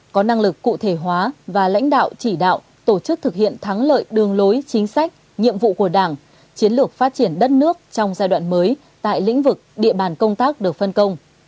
có năng lực cụ thể hóa và lãnh đạo chỉ đạo tổ chức thực hiện thắng lợi đường lối chính sách nhiệm vụ của đảng chiến lược phát triển đất nước trong giai đoạn mới tại lĩnh vực địa bàn công tác được phân công